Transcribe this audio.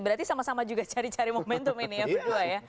berarti sama sama juga cari cari momentum ini ya berdua ya